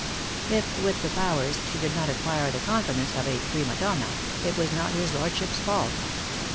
If, with the powers, she did not acquire the confidence of a prima donna, it was not his lord ship s fault.